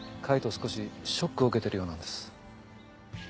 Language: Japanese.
少しショックを受けてるようなんです。